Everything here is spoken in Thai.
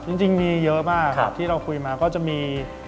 จริงมีเยอะมากที่เราคุยมาก็จะมี